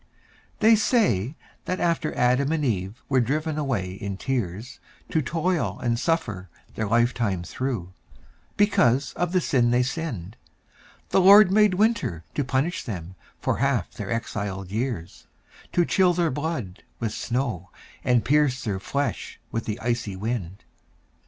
They say that after Adam and Eve were driven away in tears To toil and suffer their life time through, because of the sin they sinned, The Lord made Winter to punish them for half their exiled years, To chill their blood with the snow, and pierce their flesh with the icy wind.